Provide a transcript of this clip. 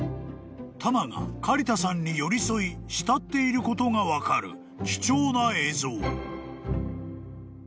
［タマが刈田さんに寄り添い慕っていることが分かる貴重な映像］